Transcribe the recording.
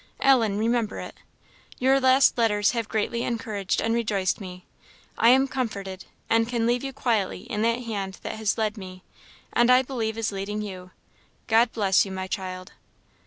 Ellen, remember it. Your last letters have greatly encouraged and rejoiced me. I am comforted, and can leave you quietly in that hand that has led me, and I believe is leading you. God bless you, my child!